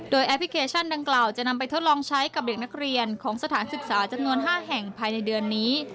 แอปพลิเคชันดังกล่าวจะนำไปทดลองใช้กับเด็กนักเรียนของสถานศึกษาจำนวน๕แห่งภายในเดือนนี้